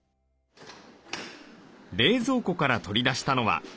冷蔵庫から取り出したのは。